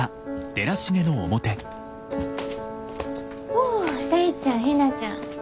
お大ちゃん陽菜ちゃん。